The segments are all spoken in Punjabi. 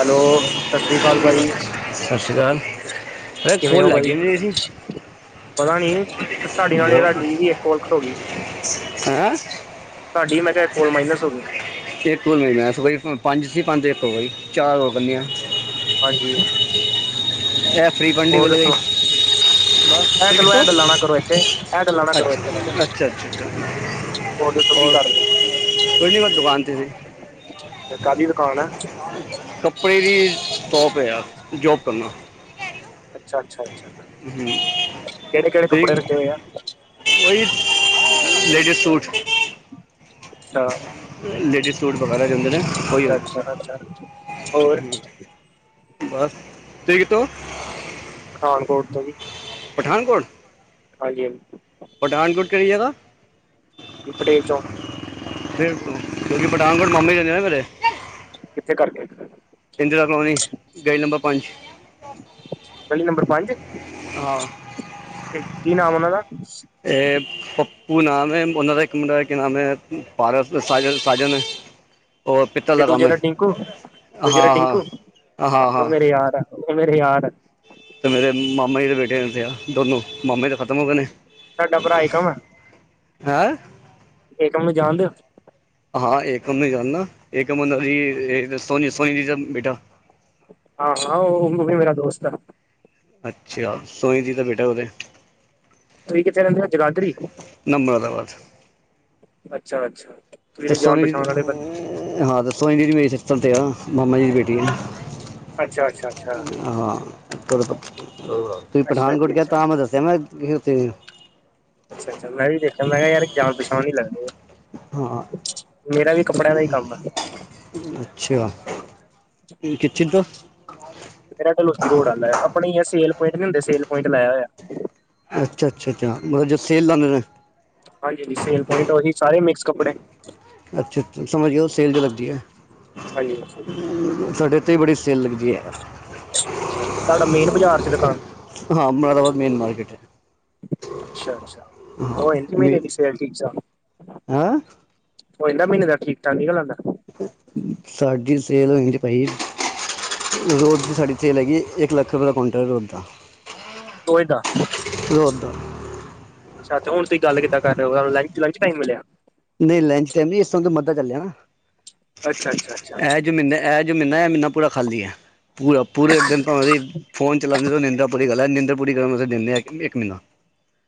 ਹੈਲੋ ਸਤਿ ਸ੍ਰੀ ਅਕਾਲ ਬਾਈ ਸਾਸ਼ੀ ਕਾਲ। ਕਿਵੇਂ ੳ ਬਾਜੀ? ਪਤਾ ਨੀ, ਕ ਤਾਡੇ ਨਾਲ ਏਦਾ ਡੀ ਵੀ ਏੱਕ ਕੋਲ ਕਟ ਔਗੀ। ਹੈਂ। ਤਾਡੀ ਮੈਂ ਕੇਆ ਏੱਕ ਕੋਲ ਮਾਈਨਸ ਹੋਗੀ। ਏੱਕ ਕੋਲ [unintelligible] ਸਵੇਰ ਤੋਂ ਪੰਜ ਸੀ ਪੰਜ ਇਕ ਹੋ ਗਈ ਚਾਰ ਹੋਰ ਕਰਨੀਆਂ। ਹਾਂਜੀ। ਇਹ ਫ੍ਰੀ ਪੰਡੀ ਹੋਰ ਮਿਲ ਗਈ ਦੱਸੋ? ਬਸ ਐ ਠੀਕ ਚਲੋ ਐ ਤੋਂ ਗੱਲਾਂ ਨਾ ਕਰੋ ਏੱਥੇ ਅੱਛਾ, ਅੱਛਾ-ਅੱਛਾ, ਹੋਰ ਦੱਸੋ ਕੀ ਔਰ ਕਰ ਰਹੇ ਕੋਈ ਨੀ ਮੈਂ ਦੁਕਾਨ 'ਤੇ ਸੀੇ। ਫੇਰ ਕਾਦੀ ਦੁਕਾਨ ਐ? ਕੱਪੜੇ ਦੀ, ਸੋਪ ਆ ਯਾਰ, ਜੋਬ ਕਰਨਾ। ਅੱਛਾ-ਅੱਛਾ ਹੂੰ, ਤੁਈ ਕੱਪੜੇ ਰੱਖੇ ਹੋਏ ਆ ਓਈ, ਲੇਡੀਜ਼ ਸੂਟ ਅ ਲੇਡੀਜ਼ ਸੂਟ ਵਗੈਰਾ ਦਿੰਦੇ ਨੇ ਓਈ-ਓਈ, ਅੱਛਾ ਅੱਛਾ ਅੱਛਾ ਹੋਰ ਹੂ ਬਾੱਸ, ਤੁਈਂ ਕਿਤੋਂ? ਪਠਾਨਕੋਟ ਤੋਂ ਜੀ। ਪਠਾਨਕੋਟ? ਹਾਂਜੀ-ਹਾਂਜੀ ਪਠਾਨਕੋਟ ਕਿਹੜੀ ਜਗ੍ਹਾ? ਪਟੇਲ ਚੋਕ- ਫਿਰ ਤ [unintelligible] ਕਿਉਕਿ ਪਠਾਨਕੋਟ ਮਾਮੇ ਰਹਿੰਦੇ ਐ ਨਾ ਮੇਰੇ ਕਿਥੇ ਕਰਕੇ ਇੰਦਰਾ ਕਲੋਨੀ ਗਲੀ ਨੰਬਰ ਪੰਜ- ਗਲੀ ਨੰਬਰ ਪੰਜ ਹਾਂ ਕੀ ਨਾਮ ਉਹਨਾ ਦਾ- ਏ ਪੱਪੂ ਨਾਮ ਆ ਉਹਨਾ ਦਾ, ਇਕ ਮੁੰਡਾ ਦਾ ਜੀ ਨਾਮ ਅ ਪਾਰਸ ਤੇ ਸਾਜਨ ਸਾਜਨ- [inaudible] ਉਹ ਪਿੱਤਲ ਤੇ ਦਾ ਕੰਮ ਹੈ ਦੂਜਾ ਟਿੰਕੂ, ਦੂਜੇ ਦਾ ਹਾਂ ਹਾਂ ਟਿੰਕੂ ਹਾਂ ਉਹ ਹਾਂ ਮੇਰੇ ਯਾਰ ਮੇਰੇ ਯਾਰ- ਤੇ ਮੇਰੇ ਮਾਮਾ ਜੀ ਦੇ ਬੇਟੇ ਰਹਿੰਦੇ ਆ ਦੋਨੋਂ ਮਾਮੇ ਤਾਂ ਖਤਮ ਹੋ ਗਏ ਨੇ- ਤਾਡਾ ਭਰਾ ਏਕਮ ਐ। ਹੈਂ। ਏਕਮ ਨੂੰ ਜਾਣਦੇ ਓ? ਹਾਂ ਏਕਮ ਨੂੰ ਜਾਣਨਾ, ਹਾਂ ਏਕਮ ਓਨਾ ਦੀ ਸੋਨੀ- ਸੋਨੀ ਜੀ ਦਾ ਬੇਟਾ- ਹਾਂ- ਹਾ ਉਵੀ ਮੇਰਾ ਦੋਸਤ ਐ। ਅਛਾ ਸੋਨੀਜੀ ਦਾ ਬੇਟਾ ਉਹਤੇ। ਤੁਸੀ ਕਿਥੇ ਰਹਿੰਦੇ ਹੋ ਜਗਾਧਰੀ ਨਾ ਮੁਰਾਦਾਬਾਦ ਅਛਾ-ਅਛਾ- ਤੇ ਸੋਨੀ ਜੀ ਦੀ ਹੂੰ, ਤੇ ਸੋਨੀ ਦੀਦੀ ਮੇਰੇ ਸਿਸਟਮ 'ਤੇ ਆ ਮਾਮਾ ਜੀ ਦੀ ਬੇਟੀ ਆ- ਅੱਛਾ ਅੱਛਾ ਅੱਛਾ ਹਾਂ [unintelligible] ਤੁਸੀ ਅੱਛਾ ਜੀ ਪਠਾਨਕੋਟ ਕੇਹਾਂ ਅੱਛਾ ਤਾਂ ਮੈਂ ਦੱਸ- [unintelligible] ਅੱਛਾ-ਅੱਛਾ, ਮੈ ਵੀ ਦੇਖਿਆ ਮੈ ਕਿਹਾ ਯਾਰ ਜਾਣ ਪਛਾਣ ਈ ਲਗਦੇ ਆ। ਹਾਂ ਮੇਰਾ ਵੀ ਕੱਪੜਿਆਂ ਦਾ ਹੀ ਕੰਮ ਆ। ਅਛਾ, ਕਿਚਨ ਤੋ- ਮੇਰਾ ਢਲੋਜੀ ਰੋਡ ਆਦਾ, ਆਪਣੇ ਆਹ ਸੇਲ ਪੁਆਇੰਟ ਨਹੀਂ ਹੁੰਦੇ ਸੇਲ ਪੁਆਇੰਟ ਲਾਇਆ ਹੋਇਆ। ਅੱਛਾ, ਅੱਛਾ, ਅੱਛਾ, ਮਤਲ ਜੋ ਸੇਲ ਲਾਦੇ ਨੇ- ਹਾਂਜੀ-ਹਾਂਜੀ ਸੇਲ ਪੁਆਇੰਟ ਓਹੀ ਸਾਰੇ ਮਿਕਸ ਕੱਪੜੇਆਂ- ਅੱਛਾ-ਅੱਛਾ ਸਮਝ ਗੇਆ ਓ ਸੇਲ ਜੋ ਲਗਦੀ ਐ, ਹਾਂਜੀ ਅੱਛਾ ਸਾਡੇ ਏ ਓਥੇ ਵੀ ਬੜੀ ਸੇਲ ਲੱਗਦੀ ਐ। ਅੱਛਾ, ਤਾਡਾ ਮੇਨ ਬਾਜਾਰ ਚ ਦੁਕਾਨ- ਹਾਂ ਮੁਰਾਦਾਬਾਦ ਮੇਨ ਮਾਰਕੀਟ ਹੈ ਅੱਛਾ-ਅੱਛਾ, ਓ ਇਕ ਮੀਨੇ ਦੀ ਸੇਲ ਠੀਕ ਸਾ। ਹੂੰ। ਓਈ ਨਾ ਮੀਨੇ ਦਾ ਠੀਕ-ਠਾਕ ਨਿਕਲ ਆਂਦਾ। ਸਾਡੀ ਸੇਲ ਨੀ ਹੁੰਦੀ ਪਈ। ਰੋਜ ਦੀ ਸੇਲ ਸਾਡੀ ਹੈਗੀ ਐ ਇੱਕ ਲੱਖ ਰੁਪੈ ਦਾ ਕੁਅੰਟਰ ਰੋਜ ਦਾ। ਤੋਏਦਾ ਰੋਜ਼ ਦਾ ਅੱਛਾ ਤੁਸੀ ਕਿਦਾਂ ਗੱਲ ਕਰ ਰਏ ਓਂ ਹੂੰ ਲੰਚ-ਲੰਚ ਟਾਈਮ ਮਿਲਿਆ। ਨਈਂ ਲੰਚ ਟਾਈਮ ਨੀ ਏਸ ਟਾਈਮ ਮੰਦਰ ਚਲਿਆ ਨਾ, ਅੱਛਾ ਅੱਛਾ ਅੱਛਾ ਐ ਜਿਵੇਂ ਹੁੰਦਾ ਐ ਜੋ ਮੀਨਾ ਐ ਏ ਮੀਨਾ ਪੂਰਾ ਖਾਲੀ ਐ, ਪੂਰਾ ਪੂਰੇ ਦਿਨ ਭਾਵੇਂ ਦੀ ਫੋਨ ਚਲਾਂਦੇ ਨੀਂਦਾਂ ਪੂਰੀ ਕਰਲੈ ਨਿੰਦਰ ਪੂਰੀ ਕਰਨ ਵਾਸਤੇ ਦਿੰਦੇ ਐ ਇਕ ਮੀਨਾ।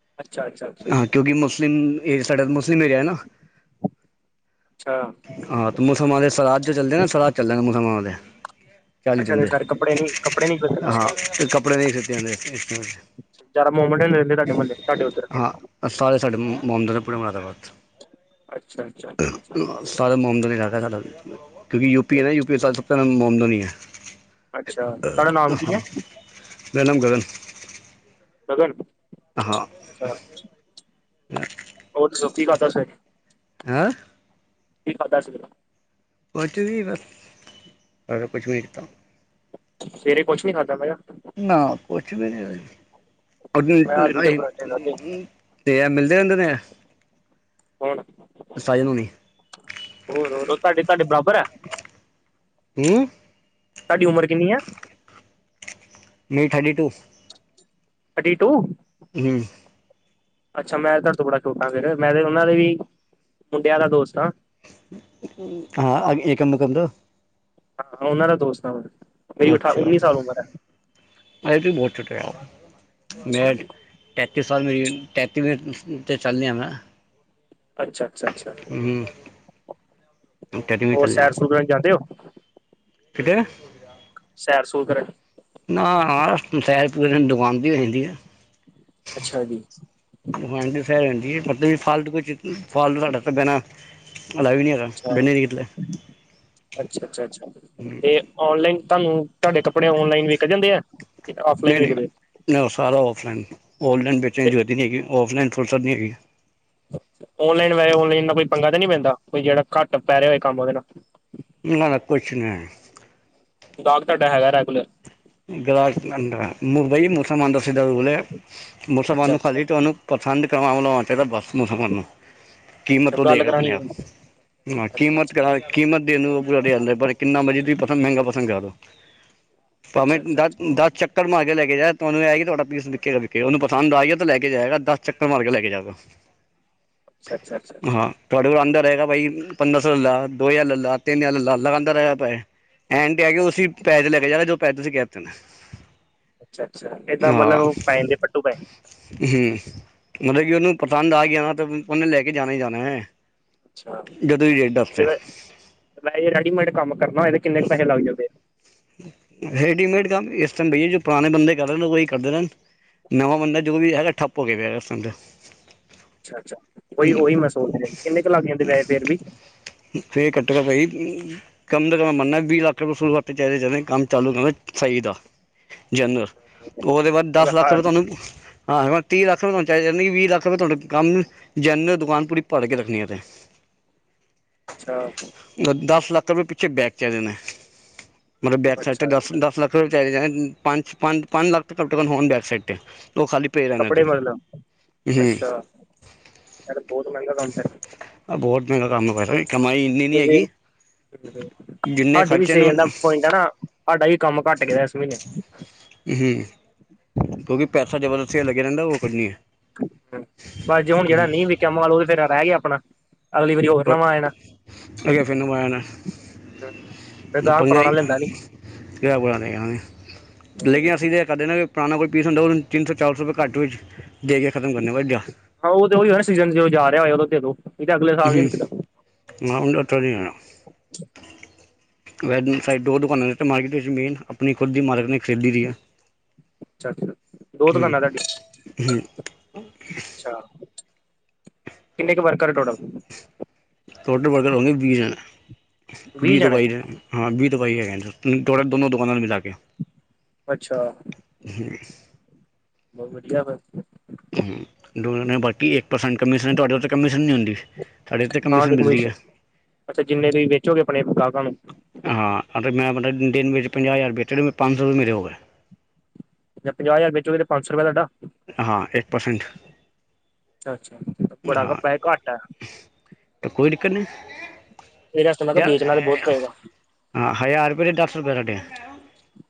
ਅੱਛਾ ਅੱਛਾ ਅੱਛਾ ਅੱਛਾ ਹਾਂ ਕਿਓਂਕਿ ਮੁਸਲਿਮ ਸਾਡਾ ਮੁਸਲਿਮ ਏਰੀਆ ਐ ਨਾ ਅੱਛਾ ਹਾਂ ਤੇ ਮੁਸਲਮਾਨਾਂ ਦੇ ਸ਼ਰਾਦ ਜੋ ਚੱਲਦੇ ਨਾ ਸ਼ਰਾਦ ਚੱਲਦੇ ਨੇ ਮੁਸਲਮਾਨਾਂ ਦੇ ਚਾਲੀ ਅੱਛਾ ਦਿਨ ਤੇ ਦੇ ਸਰ ਕੱਪੜੇ ਨੀ ਕੱਪੜੇ ਨੀ ਬਦਲਣੇ ਇਸ ਹਾਂ, ਤੇ ਕੱਪੜੇ ਨਈਂ ਸੀਤੇ ਜਾਂਦੇ। ਜਾਦਾ ਮੋਮੜੇ ਨੇ [unintelligible] ਰੈਂਦੇ ਤੁਾਡੇ ਤੁਾਡੇ ਓਦਰ ਤਾਂ ਹਾਂ ਸਾਰੇ ਸਾਡੇ ਆ ਮੁੰਮਡੇ ਨੇ ਪੂਰੇ ਮੁਰਾਦਾਬਾਦ ਚ ਅੱਛਾ ਜੀ। ਸਾਰੇ ਮੁੰਮਡਮ ਇਲਾਕਾ ਰੈਂਦਾ ਸਾਡਾ ਤੇ ਕਿਓਂਕਿ ਯੂਪੀ ਐ ਨਾ ਯੂਪੀਏ ਦਾ ਸਭ ਤੋ ਮੁਮਡੰਮ ਐ ਈ ਹਾਂ- ਅੱਛਾ ਅੱਛਾ ਤੁਹਾਡਾ ਨਾਮ ਕੀ ਹੈ ਮੇਰਾ ਨਾਮ ਗਗਨ ਗਗਨ ਹਾਂ। ਅੱਛਾ, ਨਾਂ ਹੋਰ ਦਸੋ ਕੀ ਕਰਦਾ ਸੈਂ। ਹਾਅ ਕੀ ਖਾਦਾ ਸੀ? ਕੁਝ ਵੀ ਬਸ, ਸਾਰਾ ਕੁਛ ਵੇਖਦਾ। ਸਵੇਰੇ ਕੁਛ ਨੀ ਖਾਦਾ ਮੈਂ ਕਿਆ। ਨਾ ਕੁਛ ਵੀ ਨੀ ਮੈਂ ਆਲੂ ਦੇ ਪਰਾਂਠੇ ਖਾਧੇ [unintelligible] ਤੇ ਐ ਮਿਲਦੇ ਰੈਂਦੇ ਨੇ ਸਾਜਨ ਹੁਨੀ। ਹੋਰ-ਹੋਰ ਓ ਤਾਡੇ-ਤਾਡੇ ਬਰਾਬਰ ਐ। ਹੂੰ। ਤਾਡੀ ਉਮਰ ਕਿੰਨੀ ਐ। ਮੇਰੀ ਥਰਟੀ ਟੂ। Thirty to. ਹੂੰ। ਅੱਛਾ ਮੈਂ ਤਾਡੇ ਤੋਂ ਬੜਾ ਛੋਟਾ ਫੇਰ ਮੈਂ ਤੇ ਓਨਾਂ ਦੇ ਵੀ ਮੁੰਡਿਆਂ ਦਾ ਦੋਸਤ ਆਂ। ਹਾਂ ਆਗੀ ਏਕਮ ਮੁਕੰਦ ਹਾਂ ਓਨਾਂ ਦਾ ਦੋਸਤ ਆ ਮੈਂ ਮੇਰੀ ਉਠਾ ਅੱਛਾ, ਉੱਨੀ ਸਾਲ ਉਮਰ ਹੈ। ਅਜੇ ਤੂੰ ਬਹੁ ਛੋਟੈਂ। ਮੈਂ ਤੇਤੀ ਸਾਲ ਮੇਰੀ ਤੈਂਤੀ ਤੇ ਚੱਲ ਰਿਹਾ ਹਾਂ ਵਾਂ। ਅੱਛਾ ਅੱਛਾ ਅੱਛਾ ਹੂੰ ਤੇਤੀ ਵੀ ਚਲਿਆ ਰਿਆ ਗੁਰਦਵਾਰੇ ਜਾਂਦੇ ਓ? ਕਿਧਰ ਸੈਰ ਸੂਰ ਕਰਨ। ਨਾ ਸੈਰ ਪੂਰਾ ਦਿਨ ਦੁਕਾਨ ਤੇ ਹੋ ਜਾਂਦੀ ਆ। ਅੱਛਾ ਜੀ। ਹਾਂਜੀ ਸੈਰ ਹੋ ਜਾਂਦੀ ਏ ਮਤਲਬ ਫਾਲਤੂ ਕੋਈ ਫਾਲਤੂ ਸਾਡਾ ਤੇ ਬਹਿਣਾ ਮਤਲਬ ਵੀ ਨੀ ਹੈਗਾ। ਅੱਛਾ, ਬਹਿੰਦੇ ਨਹੀਂ ਕਿਤੇ ਅੱਛਾ, ਅੱਛਾ, ਅੱਛਾ ਫੇਰ ਓਨਲਾਈਨ ਤੁਹਾਨੂੰ ਤੁਹਾਡੇ ਕੱਪੜੇ ਓਨਲਾਈਨ ਵਿਕ ਜਾਂਦੇ ਆ ਕਿ ਓਫਲਾਈਨ ਨਹੀਂ ਵਿਕਦੇ। ਨਹੀਂ ਉਹ ਸਾਰਾ ਔਫਲਾਈਨ ਔਨਲਾਈਨ ਬੇਚਨ ਦੀ ਤੇ ਜਰੂਰਤ ਨਹੀਂ ਹੈਗੀ ਔਫਲਾਈਨ ਫੁਰਸਤ ਨਹੀਂ ਹੈਗੀ। ਓਨਲਾਈਨ ਵੈਹੇ ਹੁਣ ਇਨਾ ਕੋਈ ਪੰਗਾ ਤਾਂ ਨੀ ਪੈਂਦਾ ਕੋਈ ਜਿਹੜਾ ਘੱਟ ਪੈ ਰਿਹਾ ਹੋਏ ਕੰਮ ਉਹਦੇ ਨਾਲ, ਨਾ, ਨਾ ਕੁਛ ਨਹੀਂ। ਗਾਹਕ ਤੁਹਾਡਾ ਹੈਗਾ ਰੈਗੂਲਰ। ਗਾਹਕ ਆਂਦਾ ਮੁਬਈ ਮੁਸਲਮਾਨ ਦਾ ਸਿੱਧਾ ਰੋਲ ਏ, ਮੁਸਲਮਾਨ ਅੱਛਾ ਨੂੰ ਅੱਛਾ ਖਾਲੀ ਤੁਹਾਨੂੰ ਪਸੰਦ ਕਰਵਾਉਣਾ ਚਾਹੀਦਾ ਬਸ ਮੁਸਲਮਾਨ ਨੂੰ। ਅੱਛਾ ਕੀਮਤ ਓ ਗੱਲ ਦਏਗਾ ਕਰਾਣੀ ਆਪਣੇ ਆਪ ਹੋਣੀ। ਹਾਂ ਅੱਛਾ ਕੀਮਤ ਅੱਛਾ ਕਿਹੜਾ, ਕੀਮਤ ਦੇਣ ਨੂੰ ਪੂਰਾ ਤਿਆਰ ਰਹਿੰਦਾ ਪਰ ਕਿੰਨਾ ਤੁਸੀ ਪਸੰਦ ਮਹਿੰਗਾ ਪਸੰਦ ਕਰਾ ਦੋ ਭਾਵੇਂ ਅੱਛਾ ਅੱਛਾ ਦ ਅੱਛਾ ਦਸ ਚ ਚੱਕਰ ਮਾਰ ਕੇ ਲੈ ਕੇ ਜਾਏ ਤੁਹਾਨੂੰ ਇਹ ਹੈ ਕਿ ਤੁਹਾਡਾ ਪੀਸ ਵਿਕੇੇਗਾ ਵਿਕੇਗਾ ਓਹਨੂੰ ਪਸੰਦ ਆ ਗਿਆ ਤਾਂ ਲੈ ਜਾਏਗਾ ਦਸ ਚੱਕਰ ਮਾਰ ਕੇ ਲੈ ਕੇ ਜਾਊਗਾ। ਅੱਛਾ, ਅੱਛਾ, ਅੱਛਾ। ਹਾਂ ਤੁਹਾਡੇ ਕੋਲ ਆਂਦਾ ਰਹੇਗਾ ਭਾਈ ਪੰਦਰ ਸੌ ਲੇਲਾ, ਦੋ ਹਜ਼ਾਰ ਲੇਲਾ, ਤਿੰਨ ਯਾਰ ਲੇਲਾ ਲਗਾਉਂਦਾ ਰਹੇਗਾ ਪੈਹੈ। ਐਂਡ ਤੇ ਆ ਕੇ ਉਸੇ ਪੈਹੈ ਚ ਲੈ ਕੇ ਜਾਏਗਾ ਜੋ ਪੈਹੈ ਤੁਸੀਂ ਕਹਿ ਤੇ ਨੇ ਅੱਛਾ, ਅੱਛਾ ਇਦਾਂ ਮਤਲਬ ਉਹ ਪੈ ਜਾਂਦੇ ਪੱਟੂ ਪਏ ਹੂ ਮਤਲਬ ਕਿ ਉਹਨੂੰ ਪਸੰਦ ਆ ਗਿਆ ਨਾ ਤੇ ਉਹਨੇ ਲੈ ਕੇ ਜਾਣਾ ਹੀ ਜਾਣਾ ਹੈ। ਅੱਛਾ ਜਦੋਂ ਵੀ ਡੇਟ ਦੱਸਤੇ ਵੈਸੇ ਜੇ ਰੈਡੀਮੇਡ ਕੰਮ ਕਰਨਾ ਹੋਏ ਤੇ ਕਿੰਨੇ ਕ ਪੈੇਹੈ ਲੱਗ ਜਾਂਦੇ। ਰੈਡੀਮੇਡ ਕੰਮ ਇਸ ਟਾਈਮ ਭਈਆ ਜੋ ਪੁਰਾਣੇ ਬੰਦੇ ਕਰ ਰਹੇ ਨੇ ਉਹੀ ਕਰਦੇ ਰਹਿਣ। ਨਵਾਂ ਬੰਦਾ ਜੋ ਵੀ ਹੈਗਾ ਠੱਪ ਹੋ ਕੇ ਪਿਆ ਦਾ ਅੱਛਾ ਅੱਛਾ ਉਹੀ ਉਹੀ ਮੈਂ ਸੋਚ ਰਿਹਾ ਕਿੰਨੇ ਕੁ ਲੱਗ ਜਾਂਦੇ ਵੈਸ ਫੇਰ ਵੀ ਫੇਰ ਘੱਟੋ ਘੱਟ ਭਾਜੀ ਕੰਮ ਦਾ ਕਮ ਮੰਨਨਾ ਵੀਹ ਲੱਖ ਰੁਪਏ ਸੋ ਲੱਖ ਤੇ ਜਿਆਦੇ ਤੋ ਜਿਆਦੇ ਕੰਮ ਚਾਲੂ ਕਰਨਾ ਸਹੀ ਦਾ ਜਨਰਲ ਉਹਦੇ ਬਾਅਦ ਦਸ ਮਤਲਬ ਲੱਖ ਹਰ ਰੁਪਏ ਤੁਹਾਨੂੰ ਹਾਂ ਤੀਹ ਲੱਖ ਰੁਪਏ ਤੁਹਾਨੂੰ ਚਾਹੀ ਵੀਹ ਲੱਖ ਰੁਪਏ ਤੁਹਾਨੂੰ ਕੰਮ ਜਨਰਲ ਦੁਕਾਨ ਪੂਰੀ ਭਰ ਕੇ ਰੱਖਣੀ ਹੈ ਤੇ ਅੱਛਾ ਦਸ ਲੱਖ ਰੁਪਏ ਪਿੱਛੇ ਬੈਕ ਚਾਹੀਦੇ ਨੇ ਮਤਲਬ ਬੈਕ ਸਾਈਡ ਅੱਛਾ ਤੇ ਦਸ ਅੱਛਾ ਦਸ ਲੱਖ ਚਾਹੀਦੇ ਜਾ ਪੰਜ ਪੰਜ ਪੰਜ ਲੱਖ ਤਾਂ ਘੱਟ ਤੋਂ ਘੱਟ ਹੋਣ ਬੈਕ ਸਾਈਡ ਤੇ ਉਹ ਖਾਲੀ ਪਏ ਰਹਿਣ ਕੱਪੜੇ ਦੇ ਮਤਲਬ ਹੂੰ ਅੱਛਾ ਯਾਰ ਇਹ ਤਾਂ ਬਹੁਤ ਮਹਿੰਗਾ ਕੰਮ ਫੇਰ ਆ ਬਹੁਤ ਮਹਿੰਗਾ ਕੰਮ ਬਾਈ ਜਿੰਨੇ ਸਾਡੀ ਵੀ ਖਰਚੇ ਨੂੰ ਸਵੇਰ ਦਾ ਕੋਈ ਨਾ ਸਾਡਾ ਵੀ ਕੰਮ ਘੱਟ ਗਿਆ ਇਸ ਮਹੀਨੇ ਕਿਉਂਕਿ ਪੈਸਾ ਜ਼ਬਰਦਸਤੀ ਲੱਗਿਆ ਰਹਿੰਦਾ ਉਹ ਵਧੀਆ ਪਰ ਜੇ ਹੁਣ ਜਿਹੜਾ ਨਹੀਂ ਵਿਕਿਆ ਮਾਲ ਉਹ ਫੇਰ ਰਹਿ ਗਿਆ ਆਪਣਾ ਅਗਲੀ ਵਾਰੀ ਹੋਰ [unintelligible] ਨਵਾਂ ਆ ਜਾਣਾ ਕਿਸੇ ਫਿਰ ਗਾਹਕ ਪੁਰਾਣਾ ਲੈਂਦਾ ਨੀ ਦਾ ਬੁਰਾ ਨਹੀਂ ਲੇਕਿਨ ਅਸੀਂ ਤੇ ਕਰਦੇ ਨਾ ਵੀ ਪੁਰਾਣਾ ਕੋਈ ਪੀਸ ਹੁੰਦਾ, ਉਹਨੂੰ ਤਿੰਨ ਸੌ ਚਾਰ ਸੌ ਰੁਪਏ ਘੱਟ ਵਿੱਚ ਦੇ ਕੇ ਖਤਮ ਕਰਨਾ ਵੀ ਔਰ ਕਿਆ ਹਾਂ ਉਹ ਤਾਂ ਉਹੀਈ ਹੋਇਆਂ ਨਾ ਸੀਜਨ ਜਦੋਂ ਜਾ ਰਿਆ ਹੋਏ ਉਦੋਂ ਦੇਦੋ, ਨਹੀਂ ਤਾਂ ਅਗਲੇ ਸਾਲ ਨੀ ਵਿਕਦਾ। ਮੈ ਹੁਣ ਅੱਠ ਵਜ਼ੇ ਆਇਆਂ। ਵੈ ਸਾਈਡ ਦੋ ਦੁਕਾਨਾਂ ਨੇ ਅਤੇ ਮਾਰਕੀਟ ਵਿੱਚ ਮੇਨ ਆਪਣੀ ਖੁਦ ਦੀ ਮਾਰੀਟ ਨੇ ਖਰੀਦੀ ਦੀ ਐ। ਅੱਛਾ, ਦੋ ਦੁਕਾਨਾਂ ਤੁਹਾਡੀਆਂ। ਅੱਛਾ, ਕਿੰਨੇ ਕੁ ਵਰਕਰ ਟੋਟਲ ਟੋਟਲ ਵਰਕਰ ਹੋਣਗੇ ਵੀਹ ਜਾਣੇਂ, ਵੀਹ ਤੋਂ ਬਾਈ ਜਾਣੇਂ। ਹਾਂ ਵੀਹ ਤੋਂ ਬਾਈ ਹੈਗੇ ਨੇ ਦੋਨੋਂ ਦੁਕਾਨਾਂ ਮਿਲ਼ਾ ਕੇ। ਅੱਛਾ। [unintelligible] ਹੋਰ ਵਧੀਆਂ ਬਸ। ਹੂੰ ਦੋ ਜਾਣੇਂ ਬਾਕੀ ਇੱਕ ਪਰਸੈਂਟ ਕਮਿਸ਼ਨ, ਤੁਹਾਡੇ ਉੱਥੇ ਕਮਮੀਸ਼ਨ ਨੀਂ ਹੁੰਦੀਂ। ਹਾਂ ਹਾਡੇ ਕਮਿਸ ਅੱਛਾ ਜਿੰਨੇ ਤੁਸੀਂ ਵੇਚੋਗੇ ਆਪਣੇ ਗ੍ਰਾਹਕਾਂ ਨੂੰ ਹਾਂ ਮੈਂ ਮਤਲਬ ਦਿਨ ਵਿੱਚ ਪੰਜਾਹ ਹਜ਼ਾਰ ਵੇਚੇ ਤੇ ਪੰਜ ਸੌ ਰੁਪਏ ਮੇਰੇ ਹੋ ਗਏ। ਜਾਂ ਪੰਜਾਹ ਹਜ਼ਾਰ ਵੇਚੋਗੇ ਤੇ ਪੰਜ ਸੌ ਰੁਪਏ ਤੁਹਾਡਾ। ਹਾਂ ਇੱਕ ਪਰਸੈਂਟ। ਅੱਛਾ, ਬੜਾਂ ਹਾਂ ਕੱਪਾ ਏਂ ਘੱਟ ਐ। ਤਾਂ ਕੋਈ ਦਿੱਕਤ ਨੀਂ। ਇਹਦੇ ਵਾਸਤੇ ਮੈਂ ਕਿਹਾ ਯਾਰ ਵੇਚਣਾ ਤੇ ਬਹੁਤ ਐਹ ਪਏਗਾ ਹਾਂ ਹਜ਼ਾਰ ਰੁਪਏ ਚ ਦਸ ਰੁਪਏ ਹਾਡੇ ਐ।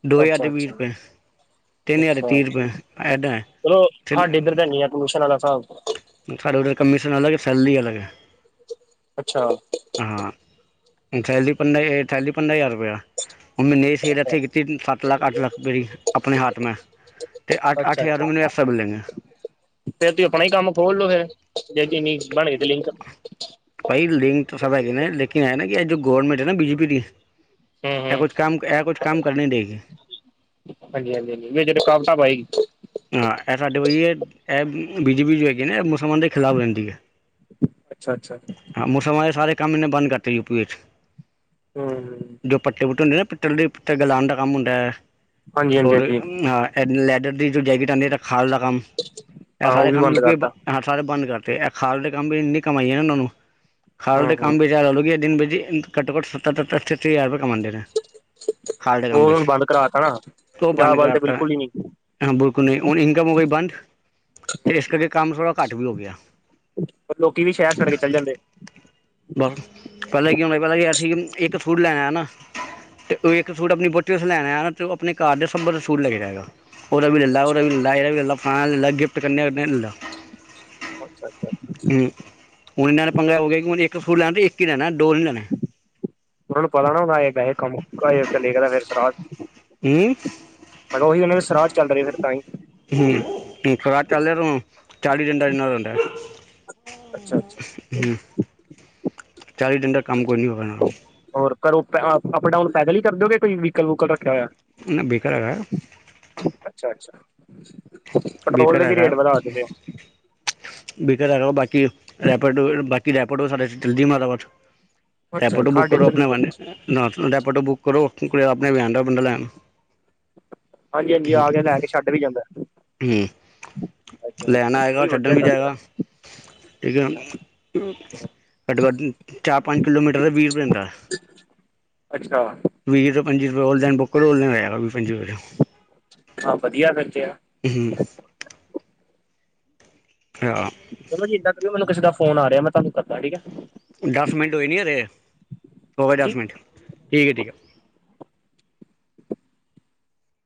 ਦੋ ਹਜ਼ਾਰ ਅੱਛਾ ਦੇ ਵੀਹ ਅੱਛਾ ਰੁਪਏ ਤਿੰਨ ਹਜ਼ਾਰ ਦੇ ਅੱਛਾ ਤੀਹ ਰੁਪਏ ਐਦਾਂ ਐ। ਨੀਂ ਟਿਉਸ਼ਨ ਵਾਲਾ ਸਾਬ। ਸ ਸਾਡੇ ਵੱਲ ਕਮਿਸ਼ਨ ਅਲੱਗ ਏਂ ਸੈਲਰੀ ਅਲੱਗ ਐ। ਅੱਛਾ। ਹਾਂ ਥੈਲੀ ਪੰਦਾ ਥੈਲੀ ਪੰਦਰਾਂ ਹਜ਼ਾਰ ਰੁਪਇਆ ਉਹ ਮੈਨੇ ਸੇਹਰ ਇੱਥੇ ਕੀਤੀ, ਸੱਤ ਲੱਖ- ਅੱਠ ਲੱਖ ਰੁਪਏ ਦੀ ਪੇਰੀ ਆਪਣੇ ਹਾਥ ਮੇ ਅਤੇ ਅੱ ਅੱਠ ਅੱਛਾ ਹਜ਼ਾਰ ਮੈਂਨੂੰ ਅੱਛਾ ਐਕਸਟਰਾ ਮਿਲੈਂਗੇ। ਫੇਰ ਤੁਸੀ ਆਪਣਾ ਹੀ ਕੰਮ ਖੋਲ ਲੋੋ ਫਿਰ, ਜੇ ਚੀਨੀਗਸ ਬਣਗੇ ਤੇ ਲਿੰਕ ਭਾਈ ਲਿੰਕ ਤਾਂ ਸਭ ਹੈਗੇ ਨੇ, ਲੇਕਿਨ ਐ ਨਾ ਕਿ ਜੋ ਗੌਰਰਮਟ ਐ ਨਾ ਬੀਜੇਪੀ ਦੀ ਹੂੰ ਐਹ ਹੂੰ ਕੁੱਛ ਕੰਮ, ਐਹ ਕੁੱਛ ਕੰਮ ਕਰਨ ਨੀ ਦੇਗੀ। ਹਾਂਜੀ- ਹਾਂਜੀ, ਹਾਂਜੀ ਵਿਚ ਰੁਕਾਵਟਾਂ ਬਾਈ। ਹਾਂ ਐਹ ਸਾਡੇ ਵਹੀ, ਐਹ ਬੀਜੇਪੀ ਜੋ ਹੈਗੀ ਐ ਨਾ ਮੁਸਲਮਾਨ ਦੇ ਖ਼ਿਲਾਫ਼ ਰਹਿੰਦੀ ਐ, ਅੱਛਾ ਅੱਛਾ ਹਾਂ ਮੁਸਲਮਾਨ ਦੇ ਸਾਰੇ ਕੰਮ ਏਨੇ ਬੰਦ ਕਰਤੇ ਯੂ ਪੀ ਵਿੱਚ ਹੂੰ -ਹੂੰ। [unintelligible] ਦੀ ਹਾਂਜੀ ਹਾਂਜੀ ਹਾਂਜੀ ਜੋ ਜੈਕਟ ਆਂਦੀ ਏਦਾਂ ਖਾਲ ਦਾ ਕੰਮ, ਐ ਹਾਂ ਉਹ ਸਾਰੇ ਵੀ ਕੰਮ ਬੰਦ ਯੂ ਪੀ ਕਰਤਾ ਹਾ ਸਾਰੇ ਬੰਦ ਕਰਤੇ, ਐ ਖਾਲ ਦੇ ਕੰਮ ਵੀ ਇੰਨੀ ਕਮਾਈ ਐ ਨਾ ਉਹਨਾਂ ਨੂੰ ਖਾਲ ਹੂੰ ਦੇ ਕੰਮ ਹੂੰ ਵਿੱਚ ਐ ਲੋਕ ਦਿਨ ਬਿ ਦਿਨ ਘੱਟੋਂ ਘੱਟ ਸੱਤਰ ਤਰੱਤਰ ਚਰੱਤਰ ਹਜ਼ਾਰ ਰੁਪਏ ਕਮਾਉਂਦੇ ਨੇ। ਖਾਲ ਦੇ ਔ ਕੰਮ ਹੁਣ ਵਿੱਚ ਬੰਦ ਕਰਾਤਾ ਨਾ ਪੰਜਾਬ ਵੱਲ ਤੇ ਬਿਲਕੁਲ ਈ ਨੀ। ਹਾਂ ਬਿਲਕੁਲ ਨਈ, ਹੁਣ ਇਨਕਮ ਹੋ ਗਈ ਬੰਦ ਤੇ ਇਸ ਕਰਕੇ ਕੰਮ ਥੋੜਾਂ ਘੱਟ ਵੀ ਹੋ ਗਿਆਂ। ਫੇਰ ਲੋਕੀਂ ਵੀ ਸ਼ਹਿਰ ਛੱਡ ਕੇ ਚਲ ਜਾਂਦੇ। ਬਸ ਪਹਿਲੇ ਕੀ ਹੁੰਦਾ ਪਤਾ ਕੀ ਅਸੀ ਕਿ ਇਕ ਸ਼ੂਟ ਲੈਣਾਂ ਨਾ। ਤੇ ਓ ਇਕ ਸ਼ੂਟ ਅਪਣੀ ਵਹੁਟੀ ਵਾਸਤੇ ਲੈਣ ਆਇਆ ਨਾ ਤੇ ਓ ਆਪਣੇ ਘਰ ਦੇ ਸਬ ਵਾਸਤੇ ਸੂਟ ਲ਼ੈ ਕੇ ਜਾਏਂਗਾ। ਓਦਾਂ ਵੀ ਲੈ ਲਾ ਓਦਾਂ ਅੱਛਾ ਵੀ ਲ਼ੈ ਲਾ ਏਦਾ ਵੀ ਲੈ ਲਾ ਫਲਾਣੇ ਦਾ ਲੈ ਲਾ ਗਿਫਟ ਕਰਨੇ ਓਦੇ ਵੀ ਲੈ ਲਾ। ਅੱਛਾ- ਅੱਛਾ, ਅੱਛਾ। ਹੁਣ ਇੰਨਾਂ ਨੇ ਪੰਗਾ ਹੋ ਗਿਆਂ ਕਿ ਇੱਕ ਸੂਟ ਲੈਣਾ ਤੇ ਇੱਕ ਈ ਲੈਣਾ ਦੋ ਨੀ ਲੈਣੇ। ਓਨਾਂ ਨੂੰ ਪਤਾ ਨਾ ਵੈ ਵੈਸੇ ਕੰਮ ਘਰੇ ਕਲੇ ਕਰਾ ਕੀ? ਮੈਂ ਓਹੀ ਔਨਾਂ ਦੇ ਸਰਾਧ ਚੱਲ ਰਹੇ ਫਿਰ ਤਾਂਈ। ਹੂੰ। ਸ਼ਰਾਦ ਚਲ ਰੇ ਤੇ ਊਂ ਚਾਲੀ ਦਿਨ ਦਾ ਏਨਾਂ ਦਾ ਹੁੰਦਾ ਹੂੰ ਅੱਛਾ ਅੱਛਾ। ਹੂੰ। ਚਾਲੀ ਦਿਨ ਦਾ ਕੰਮ ਕੋਈ ਨੀ ਹੋਗਾ ਇਹਨਾ ਨੂੰ। ਹੋਰ ਕਰੋ ਅ ਅਪਡਾਊਨ ਪੈਦਲ ਈ ਕਰ ਦੇ ਓ ਕੇ ਕੋਈ ਵੀਕਲ ਵੂਕਲ ਰੱਖਿਆ ਹੋਇਆ ਨਾ ਬੀਕਲ ਹੈਗਾ ਅੱਛਾ ਅੱਛਾ। ਪੈਟਰੋਲ ਦੇ ਵੀ ਰੇਟ ਵਧਾ ਦਿੱਤੇ। ਬੀਕਲ ਹੈਗਾ ਬਾਕੀ ਰੈਪਡ ਬਾਕੀ ਰੈਪਡੋ ਸਾਡੇ ਚਲਦੀ ਮਾਰਾਦਾਬਾਦ। ਅੱਛਾ ਜੀ। ਰੈਪਡੋ ਬੁੱਕ ਸਾਡੇ ਕਰੋ ਇੱਧਰ ਅਪਣੇ ਨੀ ਵਨ ਨ ਰੇਪਡੋ ਬੁੱਕ ਕਰੋ ਅਪਣੇ ਆਪ ਆ ਜਾਂਦਾ ਬੰਦਾ ਲੈਣ। ਹਾਂਜੀ- ਹਾਂਜੀ। ਆ ਕੇ ਲੈ ਕੇ ਛੱਡ ਵੀ ਜਾਂਦਾ ਹੂੰ। ਲੈਣ ਉਹ ਆਏਗਾ ਛੱਡਣ ਵਧੀਆ ਵੀ ਚੱਲ ਜਾਏਗਾ। ਕਿਦਾ ਠੀਕ ਰਿਹਾ ਏ ਹੁਣ ਘੱਟੋ ਘੱਟ ਚਾਰ ਪੰਜ ਕਿਲੋਮੀਟਰ ਏ ਵੀਹ ਰਪਏ ਹੁੰਦਾ ਅੱਛਾ। ਵੀਹ ਤੋਂ ਪੰਜੀ ਰੁਪਏ ਓਨਲਾਈਨ ਬੁੱਕਰ ਔਨਲਾਈ ਹੋ ਜਾਏਗਾ ਵੀ ਪੰਜੀ ਰੁਪਏ। ਹਾਂ ਵਧੀਆ ਫਿਰ ਤੇ ਹੂੰ। ਹਾਂ ਚਲੋ ਜੀ ਏਦਾਂ ਕਰਿਓ ਮੈਨੂੰ ਕਿਸੇ ਦਾ ਫੋਨ ਆ ਰਿਹਾ ਮੈਂ ਤੁਹਾਨੂੰ ਕਰਦਾ ਠੀਕ ਦਸ ਮਿੰਟ ਹੋਏ ਨੀ ਹਜੇ? ਹੋ ਗਏ ਹਾਂਜੀ ਦਸ ਮਿੰਟ। ਠੀਕ ਹੈ। ਠੀਕ ਹੈ